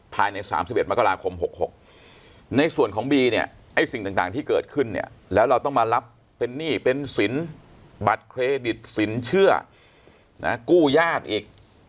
ภายใน๓๑มกราคม๖๖ในส่วนของบีเนี่ยไอ้สิ่งต่างที่เกิดขึ้นเนี่ยแล้วเราต้องมารับเป็นหนี้เป็นสินบัตรเครดิตสินเชื่อนะกู้ญาติอีก